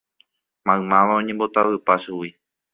Maymáva oñembotavypa chugui.